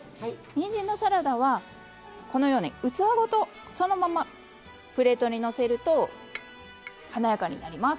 にんじんのサラダはこのように器ごとそのままプレートにのせると華やかになります。